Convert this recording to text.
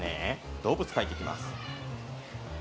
動物を描いていきます。